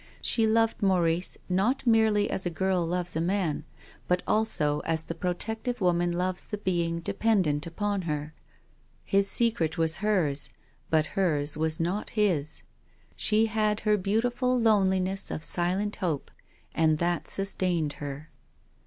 She loved Maurice not merely as a girl loves a man, but also as the protective woman loves the being dependent upon her. His secret was hers, but hers was not his. She had her beau tiful loneliness of silent hope, and that sustained her.